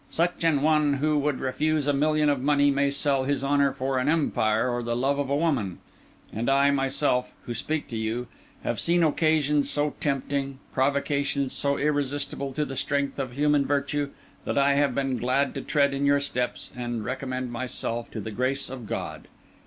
Such an one who would refuse a million of money may sell his honour for an empire or the love of a woman; and I myself, who speak to you, have seen occasions so tempting, provocations so irresistible to the strength of human virtue, that I have been glad to tread in your steps and recommend myself to the grace of God.